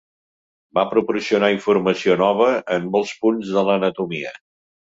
Va proporcionar informació nova en molts punts de l'anatomia.